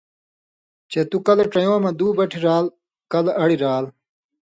چے تُو کلہۡ ڇیؤں مہ دُو بٹھی رال، کلہ اڑیۡ رال،